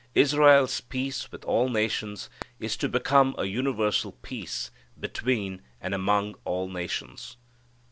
Israel's peace with all nations is to become a universal peace between and among all nations.